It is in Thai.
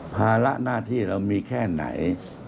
ภาระหน้าที่เรามีแค่ไหน